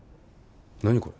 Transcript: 何これ？